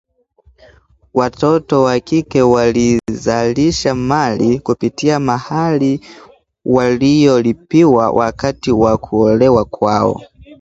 Watoto wa kike walizalisha mali kupitia mahari waliolipiwa wakati wa kuolewa kwao